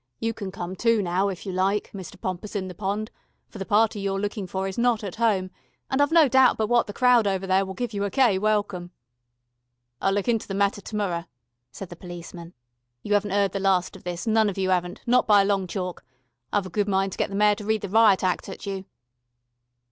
You can come too now if you like, Mr. Pompous in the Pond, for the party you're looking for is not at home, and I've no doubt but what that crowd over there will give you a gay welcome." "I'll look into the metter to morrer," said the policeman. "You 'aven't 'eard the last of this, none of you 'aven't, not by a long chalk. I've a good mind to get the Mayor to read the Riot Act at you."